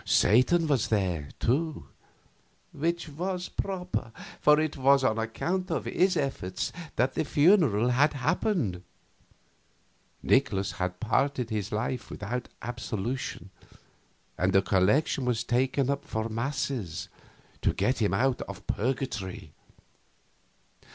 Satan was there, too; which was proper, for it was on account of his efforts that the funerals had happened. Nikolaus had departed this life without absolution, and a collection was taken up for masses, to get him out of purgatory.